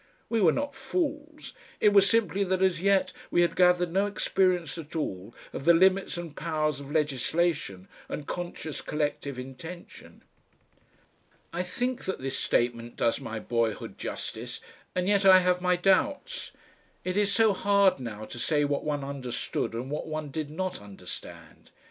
We were not fools; it was simply that as yet we had gathered no experience at all of the limits and powers of legislation and conscious collective intention.... I think this statement does my boyhood justice, and yet I have my doubts. It is so hard now to say what one understood and what one did not understand.